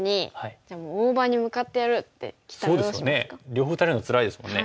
両方打たれるのつらいですもんね。